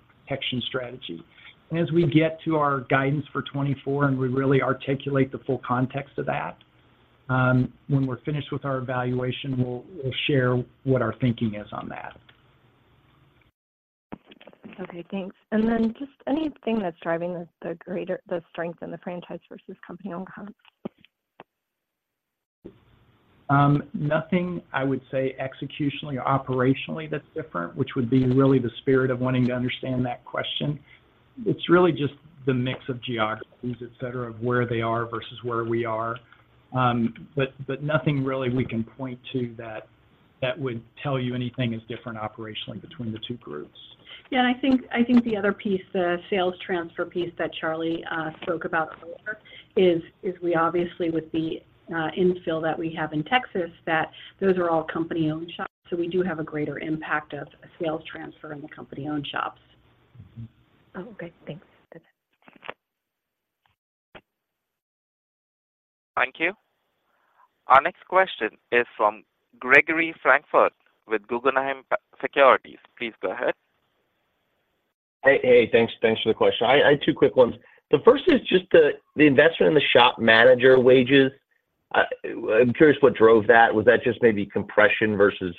strategy. And as we get to our guidance for 2024, and we really articulate the full context of that, when we're finished with our evaluation, we'll share what our thinking is on that. Okay, thanks. And then just anything that's driving the greater strength in the franchise versus company-owned comps? Nothing, I would say executionally or operationally that's different, which would be really the spirit of wanting to understand that question. It's really just the mix of geographies, et cetera, of where they are versus where we are. But nothing really we can point to that would tell you anything is different operationally between the two groups. Yeah, and I think, I think the other piece, the sales transfer piece that Charlie spoke about earlier, is, is we obviously with the infill that we have in Texas, that those are all company-owned shops, so we do have a greater impact of a sales transfer in the company-owned shops. Oh, okay. Thanks. That's it. Thank you. Our next question is from Gregory Francfort with Guggenheim Securities. Please go ahead. Hey, hey, thanks. Thanks for the question. I had two quick ones. The first is just the investment in the shop manager wages. I'm curious what drove that. Was that just maybe compression versus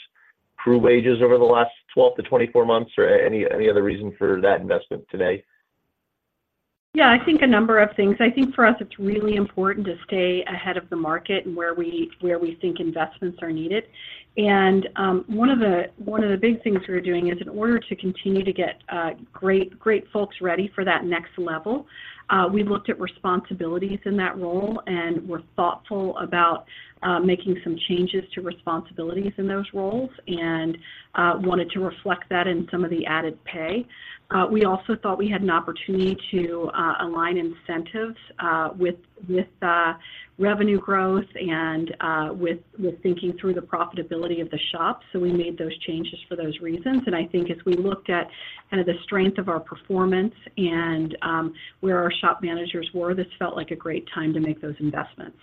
crew wages over the last 12-24 months, or any other reason for that investment today? Yeah, I think a number of things. I think for us, it's really important to stay ahead of the market and where we think investments are needed. One of the big things we're doing is in order to continue to get great, great folks ready for that next level, we looked at responsibilities in that role and were thoughtful about making some changes to responsibilities in those roles and wanted to reflect that in some of the added pay. We also thought we had an opportunity to align incentives with revenue growth and with thinking through the profitability of the shop. So we made those changes for those reasons. I think as we looked at kind of the strength of our performance and where our shop managers were, this felt like a great time to make those investments.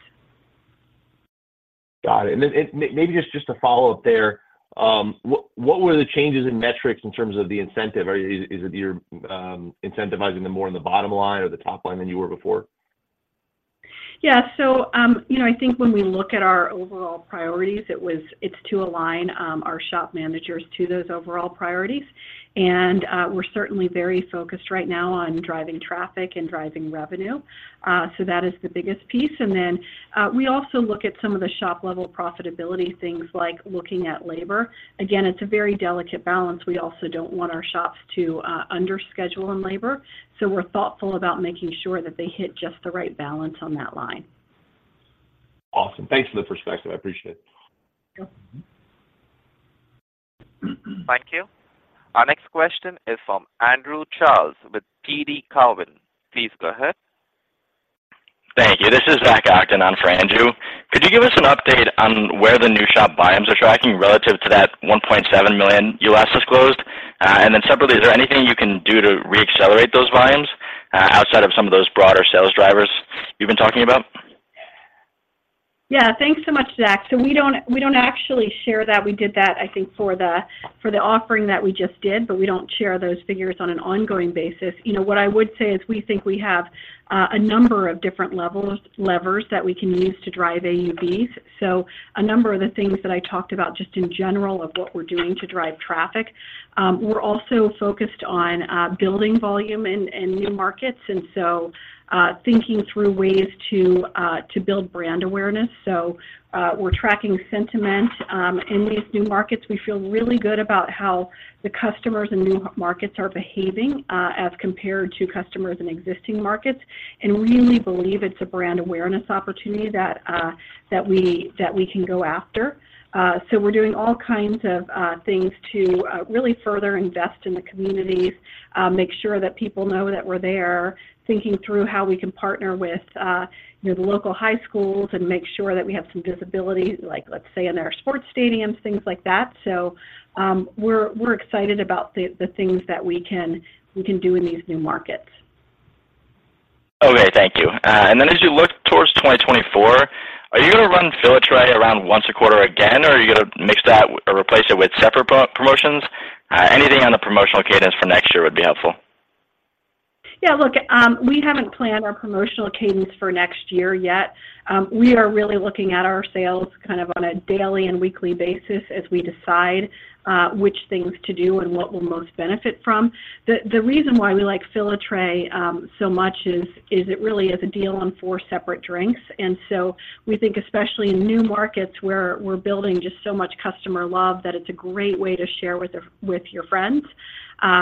Got it. And then, maybe just to follow up there, what were the changes in metrics in terms of the incentive? Is it you're incentivizing them more in the bottom line or the top line than you were before? Yeah. So, you know, I think when we look at our overall priorities, it's to align our shop managers to those overall priorities. And, we're certainly very focused right now on driving traffic and driving revenue. So that is the biggest piece. And then, we also look at some of the shop-level profitability, things like looking at labor. Again, it's a very delicate balance. We also don't want our shops to under schedule on labor, so we're thoughtful about making sure that they hit just the right balance on that line. Awesome. Thanks for the perspective. I appreciate it. Sure. Thank you. Our next question is from Andrew Charles, with TD Cowen. Please go ahead. Thank you. This is Zach Ogden on for Andrew. Could you give us an update on where the new shop volumes are tracking relative to that $1.7 million U.S. disclosed? And then separately, is there anything you can do to re-accelerate those volumes, outside of some of those broader sales drivers you've been talking about? ... Yeah, thanks so much, Zach. So we don't, we don't actually share that. We did that, I think, for the offering that we just did, but we don't share those figures on an ongoing basis. You know, what I would say is we think we have a number of different levers that we can use to drive AUVs. So a number of the things that I talked about just in general of what we're doing to drive traffic, we're also focused on building volume in new markets, and so thinking through ways to build brand awareness. So we're tracking sentiment in these new markets. We feel really good about how the customers in new markets are behaving, as compared to customers in existing markets, and really believe it's a brand awareness opportunity that we can go after. So we're doing all kinds of things to really further invest in the communities, make sure that people know that we're there, thinking through how we can partner with, you know, the local high schools and make sure that we have some visibility, like, let's say, in our sports stadiums, things like that. So, we're excited about the things that we can do in these new markets. Okay, thank you. And then as you look towards 2024, are you going to run Fill-A-Tray around once a quarter again, or are you going to mix that or replace it with separate promotions? Anything on the promotional cadence for next year would be helpful. Yeah, look, we haven't planned our promotional cadence for next year yet. We are really looking at our sales kind of on a daily and weekly basis as we decide which things to do and what we'll most benefit from. The reason why we like Fill-A-Tray so much is it really is a deal on four separate drinks. And so we think, especially in new markets where we're building just so much customer love, that it's a great way to share with your friends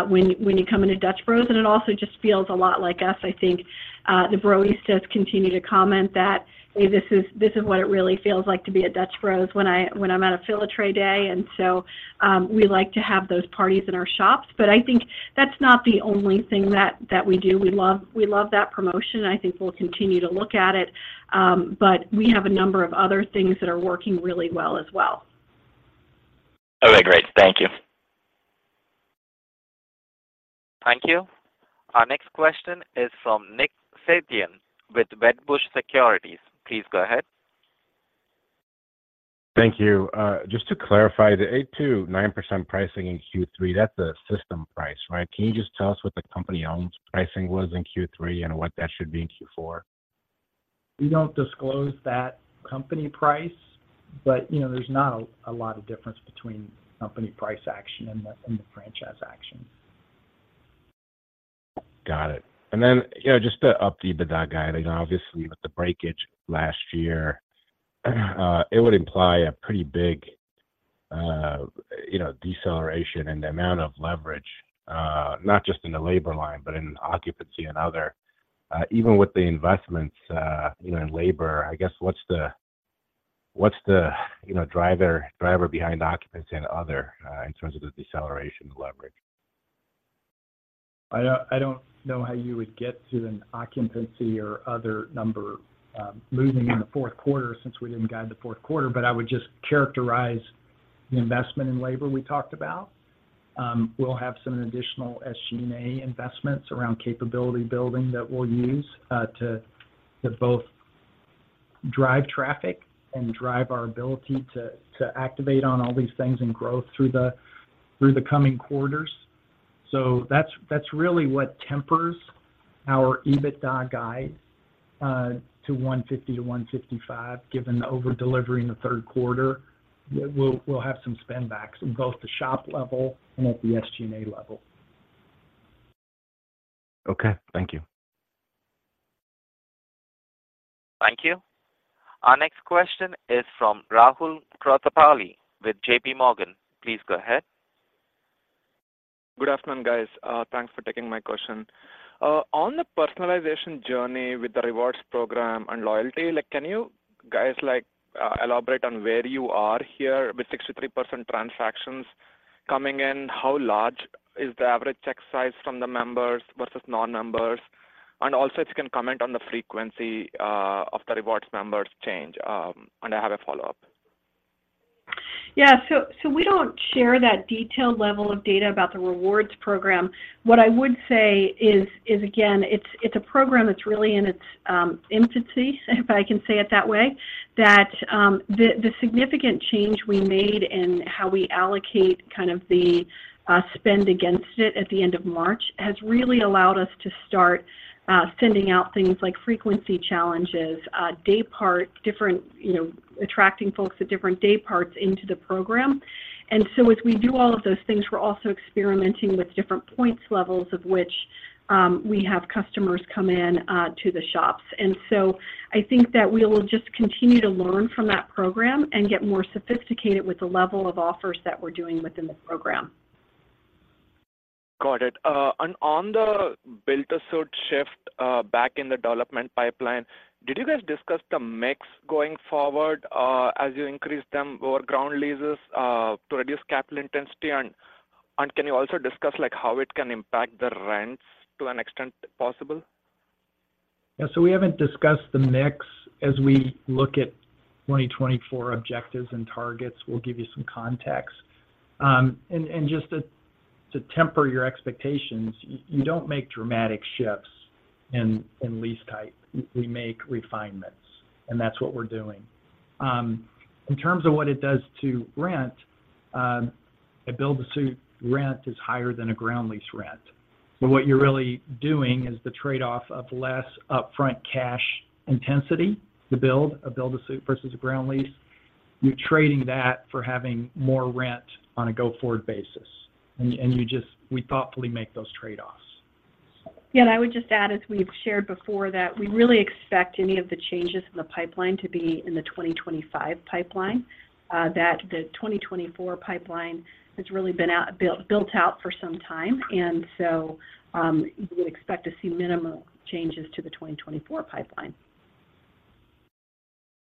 when you come into Dutch Bros. And it also just feels a lot like us. I think, the Broistas continue to comment that, Hey, this is, this is what it really feels like to be at Dutch Bros when I, when I'm at a Fill-A-Tray day. And so, we like to have those parties in our shops. But I think that's not the only thing that, that we do. We love, we love that promotion, and I think we'll continue to look at it, but we have a number of other things that are working really well as well. Okay, great. Thank you. Thank you. Our next question is from Nick Setyan with Wedbush Securities. Please go ahead. Thank you. Just to clarify, the 8%-9% pricing in Q3, that's a system price, right? Can you just tell us what the company-owned pricing was in Q3 and what that should be in Q4? We don't disclose that company price, but you know, there's not a lot of difference between company price action and the franchise action. Got it. And then, you know, just to update the guide, I know obviously with the breakage last year, it would imply a pretty big, you know, deceleration in the amount of leverage, not just in the labor line, but in occupancy and other. Even with the investments, you know, in labor, I guess, what's the, what's the, you know, driver, driver behind occupancy and other, in terms of the deceleration leverage? I don't know how you would get to an occupancy or other number moving in the fourth quarter since we didn't guide the fourth quarter, but I would just characterize the investment in labor we talked about. We'll have some additional SG&A investments around capability building that we'll use to both drive traffic and drive our ability to activate on all these things and grow through the coming quarters. So that's really what tempers our EBITDA guide to $150 million-$155 million, given the overdelivery in the third quarter. We'll have some spend backs in both the shop level and at the SG&A level. Okay, thank you. Thank you. Our next question is from Rahul Krotthapalli with JP Morgan. Please go ahead. Good afternoon, guys. Thanks for taking my question. On the personalization journey with the rewards program and loyalty, like, can you guys, like, elaborate on where you are here? With 63% transactions coming in, how large is the average check size from the members versus non-members? And also, if you can comment on the frequency of the rewards members change, and I have a follow-up. Yeah, so we don't share that detailed level of data about the rewards program. What I would say is again, it's a program that's really in its infancy, if I can say it that way. That the significant change we made in how we allocate kind of the spend against it at the end of March has really allowed us to start sending out things like frequency challenges, daypart different, you know, attracting folks at different dayparts into the program. And so as we do all of those things, we're also experimenting with different points levels of which we have customers come in to the shops. And so I think that we will just continue to learn from that program and get more sophisticated with the level of offers that we're doing within the program. Got it. And on the build-to-suit shift, back in the development pipeline, did you guys discuss the mix going forward, as you increase them or ground leases, to reduce capital intensity? And, and can you also discuss, like, how it can impact the rents to an extent possible? Yeah, so we haven't discussed the mix. As we look at 2024 objectives and targets, we'll give you some context. And just to temper your expectations, you don't make dramatic shifts in lease type. We make refinements, and that's what we're doing. In terms of what it does to rent, a build-to-suit rent is higher than a ground lease rent. But what you're really doing is the trade-off of less upfront cash intensity to build a build-to-suit versus a ground lease. You're trading that for having more rent on a go-forward basis, and we thoughtfully make those trade-offs. Yeah, and I would just add, as we've shared before, that we really expect any of the changes in the pipeline to be in the 2025 pipeline. That the 2024 pipeline has really been out, built, built out for some time. And so, you would expect to see minimal changes to the 2024 pipeline.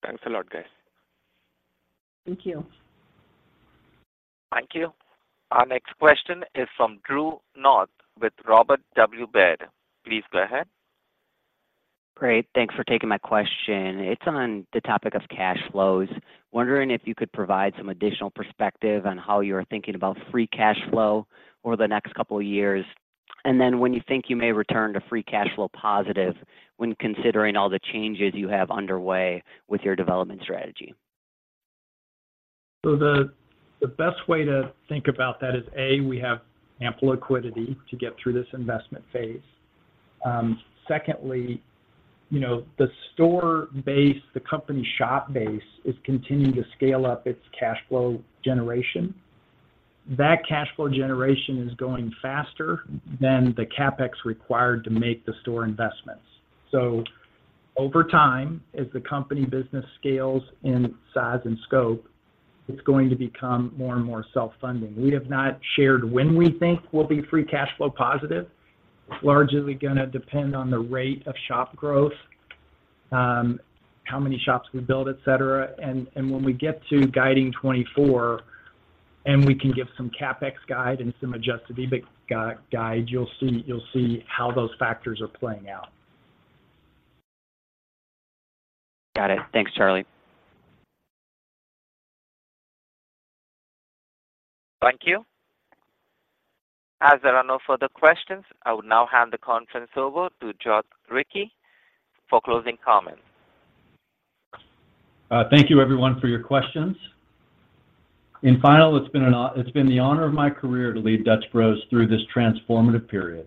Thanks a lot, guys. Thank you. Thank you. Our next question is from Drew North with Robert W. Baird. Please go ahead. Great, thanks for taking my question. It's on the topic of cash flows. Wondering if you could provide some additional perspective on how you're thinking about free cash flow over the next couple of years, and then when you think you may return to free cash flow positive when considering all the changes you have underway with your development strategy. So the best way to think about that is, A, we have ample liquidity to get through this investment phase. Secondly, you know, the store base, the company shop base, is continuing to scale up its cash flow generation. That cash flow generation is going faster than the CapEx required to make the store investments. So over time, as the company business scales in size and scope, it's going to become more and more self-funding. We have not shared when we think we'll be free cash flow positive. Largely, gonna depend on the rate of shop growth, how many shops we build, et cetera. And when we get to guiding 2024, and we can give some CapEx guide and some Adjusted EBIT guide, you'll see, you'll see how those factors are playing out. Got it. Thanks, Charlie. Thank you. As there are no further questions, I will now hand the conference over to Joth Ricci for closing comments. Thank you everyone for your questions. Finally, it's been the honor of my career to lead Dutch Bros through this transformative period.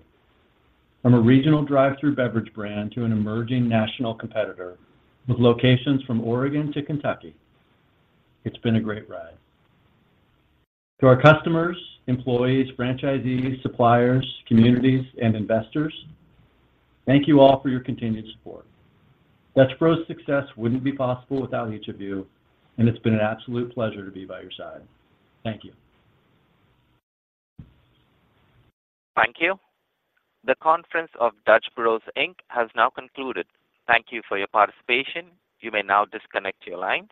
From a regional drive-through beverage brand to an emerging national competitor, with locations from Oregon to Kentucky, it's been a great ride. To our customers, employees, franchisees, suppliers, communities, and investors, thank you all for your continued support. Dutch Bros' success wouldn't be possible without each of you, and it's been an absolute pleasure to be by your side. Thank you. Thank you. The conference of Dutch Bros, Inc. has now concluded. Thank you for your participation. You may now disconnect your line.